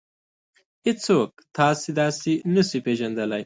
هېڅوک تاسې داسې نشي پېژندلی.